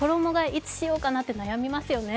いつしようかと悩みますよね。